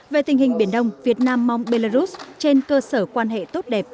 về tình hình biển đông việt nam mong belarus trên cơ sở quan hệ tốt đẹp